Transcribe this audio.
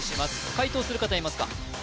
解答する方いますか？